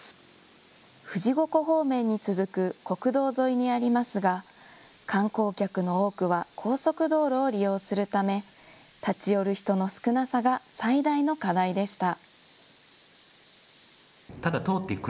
富士五湖方面に続く国道沿いにありますが観光客の多くは高速道路を利用するため立ち寄る人の少なさが最大の課題でした。